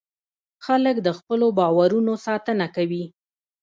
خلک د خپلو باورونو ساتنه کوي.